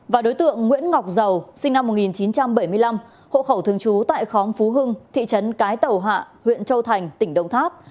và đối tượng nguyễn ngọc giàu sinh năm một nghìn chín trăm bảy mươi năm hộ khẩu thường trú tại khóm phú hưng thị trấn cái tàu hạ huyện châu thành tỉnh đồng tháp